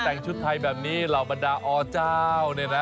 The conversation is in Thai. แต่งชุดไทยแบบนี้เหล่าบรรดาอเจ้าเนี่ยนะ